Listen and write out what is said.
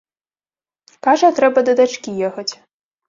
Кажа, трэба да дачкі ехаць.